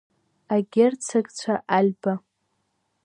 Агерцогцәа Альба.